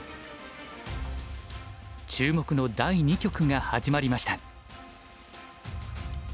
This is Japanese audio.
注目の第２局が始まりました。